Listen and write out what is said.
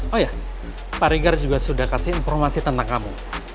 oh ya pak rigar juga sudah kasih informasi tentang kamu